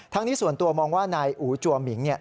ทั้งนี้ส่วนตัวมองว่านายอู๋จัวมิงเนี่ย